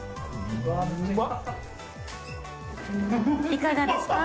いかがですか？